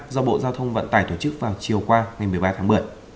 do bộ giao thông vận tải tổ chức vào chiều qua ngày một mươi ba tháng một mươi